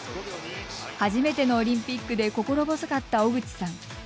初めてのオリンピックで心細かった小口さん。